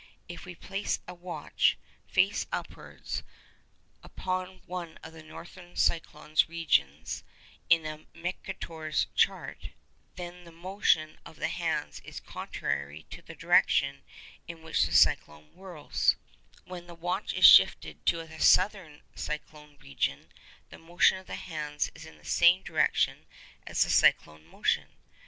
If we place a watch, face upwards, upon one of the northern cyclone regions in a Mercator's chart, then the motion of the hands is contrary to the direction in which the cyclone whirls; when the watch is shifted to a southern cyclone region, the motion of the hands is in the same direction as the cyclone motion.